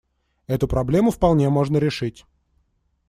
Эту проблему вполне можно решить.